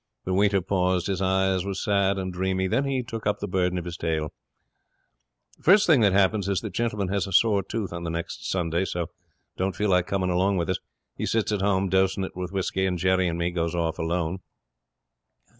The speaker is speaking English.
The waiter paused. His eye was sad and dreamy. Then he took up the burden of his tale. 'First thing that happens is that Gentleman has a sore tooth on the next Sunday, so don't feel like coming along with us. He sits at home, dosing it with whisky, and Jerry and me goes off alone.